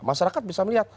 masyarakat bisa melihat